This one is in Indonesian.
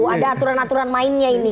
ada aturan aturan mainnya ini